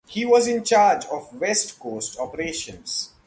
He was in charge of West Coast operations.